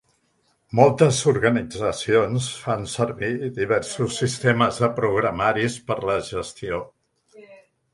Moltes organitzacions fan servir diversos sistemes de programaris per la gestió.